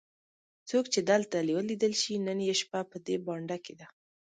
څوک چې دلته ولیدل شي نن یې شپه په دې بانډه کې ده.